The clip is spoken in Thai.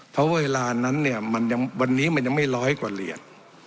เพราะเวลานั้นเนี่ยวันนี้มันยังไม่ร้อยกว่าเหรียญ